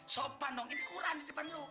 sopan dong ini kurang di depan lo